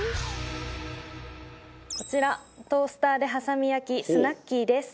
こちらトースターではさみ焼きスナッキーです。